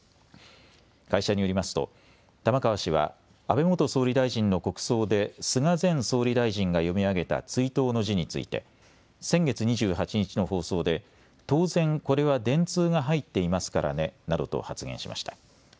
会社によりますと玉川氏は安倍元総理大臣の国葬で菅前総理大臣が読み上げた追悼の辞について、先月２８日の放送で当然、これは電通が入っていますからねなどと発言しました。